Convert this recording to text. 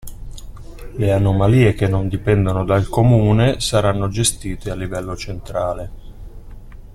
Le anomalie che non dipendono dal comune saranno gestite a livello centrale.